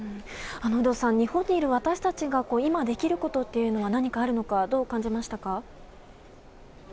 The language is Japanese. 有働さん、日本にいる私たちが今できることっていうのは何かあるのかどう感じましたか？